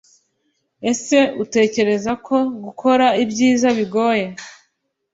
ese utekereza ko gukora ibyiza bigoye?